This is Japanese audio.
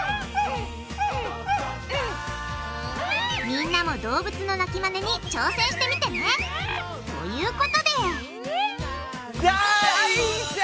みんなも動物の鳴きマネに挑戦してみてね！ということで！